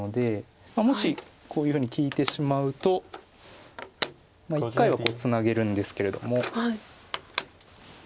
もしこういうふうに利いてしまうと一回はこうツナげるんですけれども。